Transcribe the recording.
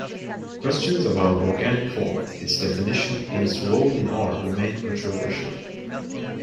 Questions about organic form, its definition, and its role in art remain controversial.